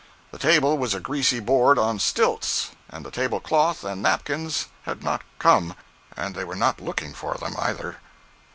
The table was a greasy board on stilts, and the table cloth and napkins had not come—and they were not looking for them, either.